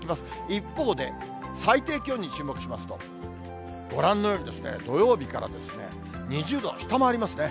一方で、最低気温に注目しますと、ご覧のようにですね、土曜日からですね、２０度を下回りますね。